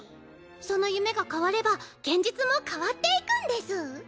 その夢が変われば現実も変わっていくんです。